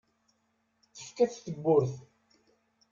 Tefka-t tebburt.